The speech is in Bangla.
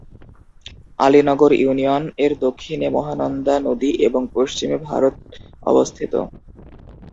আলীনগর ইউনিয়ন এর দক্ষিণে মহানন্দা নদী এবং পশ্চিমে ভারত অবস্থিত।